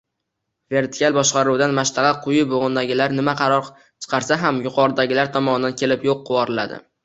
Vertikal boshqaruvda mashnaqa quyi boʻgʻindagilar nima qaror chiqarsa ham yuqoridagilar tomonidan kelib yoʻq qivoriloradi.